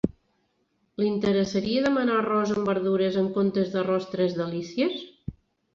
Li interessaria demanar arròs amb verdures en comptes d'arròs tres delícies?